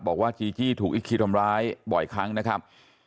บอกว่าจีจี้ถูกอิคคิวทำร้ายบ่อยครั้งนะครับ